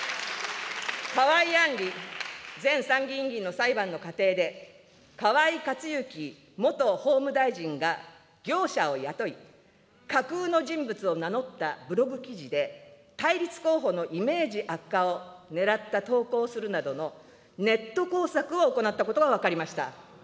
河井案里前参議院議員の裁判の過程で、河井克行元法務大臣が業者を雇い、架空の人物を名乗ったブログ記事で、対立候補のイメージ悪化をねらった投稿をするなどのネット工作を行ったことが分かりました。